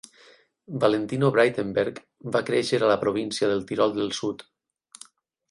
Valentino Braitenberg va créixer a la província del Tirol del Sud.